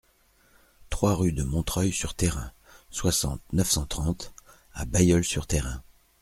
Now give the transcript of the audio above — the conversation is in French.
trois rue de Montreuil sur Thérain, soixante, neuf cent trente à Bailleul-sur-Thérain